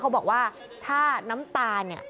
เขาบอกว่าถ้าน้ำตาลเนี่ย